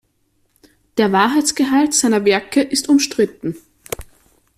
Der Wahrheitsgehalt seiner Werke ist umstritten.